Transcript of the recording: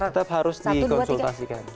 tetap harus dikonsultasikan